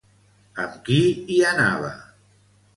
Amb qui hi anava?